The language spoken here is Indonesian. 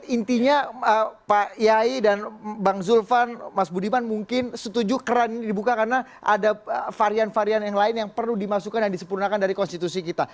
intinya pak yai dan bang zulfan mas budiman mungkin setuju keran ini dibuka karena ada varian varian yang lain yang perlu dimasukkan dan disempurnakan dari konstitusi kita